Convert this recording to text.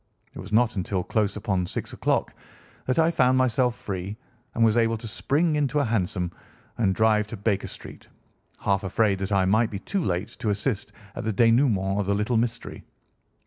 It was not until close upon six o'clock that I found myself free and was able to spring into a hansom and drive to Baker Street, half afraid that I might be too late to assist at the dénouement of the little mystery.